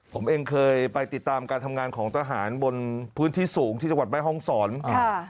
ผมเองเคยไปติดตามการทำงานของทหารบนพื้นที่สูงที่จังหวัดแม่ห้องศรค่ะ